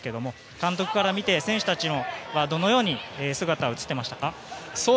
監督から見て、選手たちの姿はどのように映っていましたか？